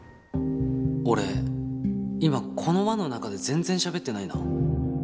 俺今この輪の中で全然しゃべってないな。